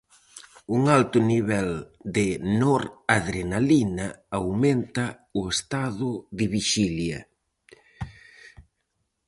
Un alto nivel de noradrenalina aumenta o estado de vixilia.